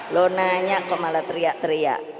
lo nanya kok malah teriak teriak